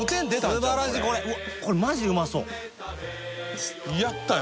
これすばらしいこれうわこれマジうまそうやったよ